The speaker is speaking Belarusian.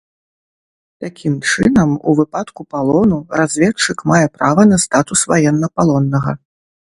Такім чынам, у выпадку палону, разведчык мае права на статус ваеннапалоннага.